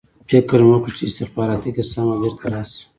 فکر مې وکړ چې استخباراتي کسان به بېرته راشي